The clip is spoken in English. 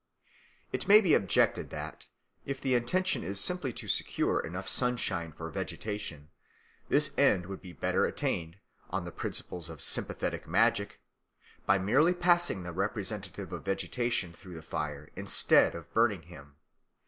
It may be objected that, if the intention is simply to secure enough sunshine for vegetation, this end would be better attained, on the principles of sympathetic magic, by merely passing the representative of vegetation through the fire instead of burning him.